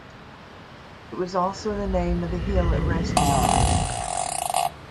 It was also the name of the hill it rested on.